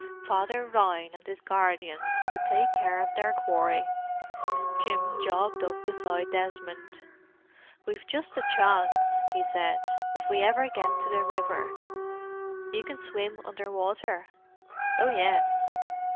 Father Rhine and his guardians would take care of their quarry. Jim jogged up beside Desmond. "We've just a chance," he said—"if we ever get to the river. You can swim under water?" "Oh yes."